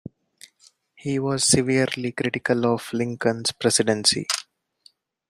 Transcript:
He was severely critical of Lincoln's presidency.